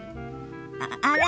あら？